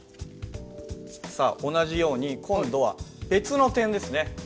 さあ同じように今度は別の点ですね。